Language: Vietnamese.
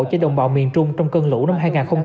cho đồng bào miền trung trong cơn lũ năm hai nghìn hai mươi